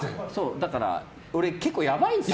だから、俺結構やばいんですよ。